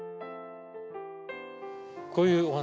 こういうお花